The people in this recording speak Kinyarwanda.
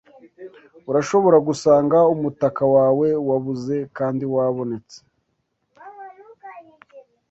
Urashobora gusanga umutaka wawe wabuze kandi wabonetse.